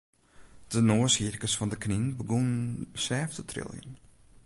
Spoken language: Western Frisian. De noashierkes fan de knyn begûnen sêft te triljen.